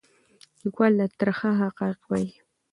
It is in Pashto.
لیکوال دا ترخه حقایق وایي.